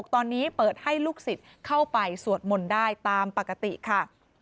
ตอนนี้เปิดให้ลูกศิษย์เข้าไปสวดมนต์ได้ตามปกติค่ะ